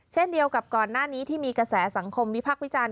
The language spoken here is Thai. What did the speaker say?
เช่นเดียวกับก่อนหน้านี้ที่มีกระแสสังคมวิพักษ์วิจารณ